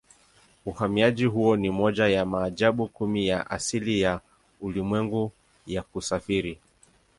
Uhamiaji huo ni moja ya maajabu kumi ya asili ya ulimwengu ya kusafiri.